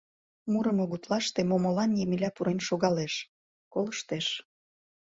Мурымо гутлаште Момолан Емеля пурен шогалеш, колыштеш.